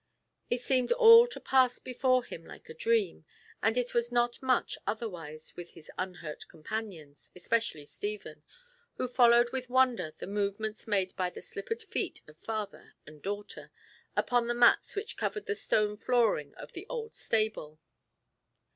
It seemed all to pass before him like a dream, and it was not much otherwise with his unhurt companions, especially Stephen, who followed with wonder the movements made by the slippered feet of father and daughter upon the mats which covered the stone flooring of the old stable.